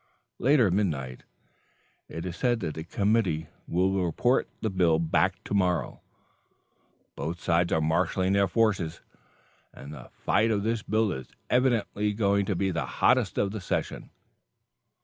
Later midnight: "It is said that the committee will report the bill back to morrow. Both sides are marshaling their forces, and the fight on this bill is evidently going to be the hottest of the session.